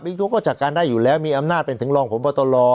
บิ๊กโจ๊กก็จักรการได้อยู่แล้วมีอำนาจเป็นถึงรองผมบทลอ